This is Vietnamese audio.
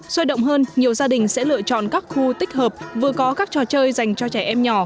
sôi động hơn nhiều gia đình sẽ lựa chọn các khu tích hợp vừa có các trò chơi dành cho trẻ em nhỏ